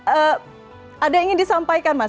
eee ada yang ingin disampaikan mas